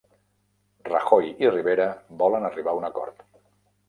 Rajoy i Rivera volen arribar a un acord